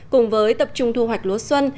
cùng với tập trung thu hoạch lúa xuân